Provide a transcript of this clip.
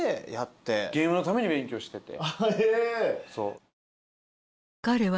ゲームのために勉強してて。